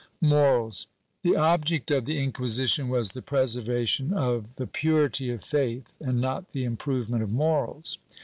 Morals The object of the Inquisition was the preservation of the purity of faith and not the improvement of morals.